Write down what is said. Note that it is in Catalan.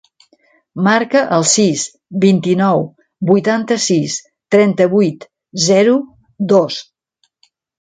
Marca el sis, vint-i-nou, vuitanta-sis, trenta-vuit, zero, dos.